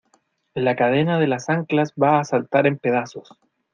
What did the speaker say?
la cadena de las anclas va a saltar en pedazos.